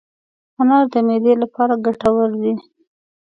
انار د معدې لپاره ګټور دی.